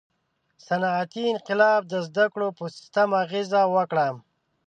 • صنعتي انقلاب د زدهکړو په سیستم اغېزه وکړه.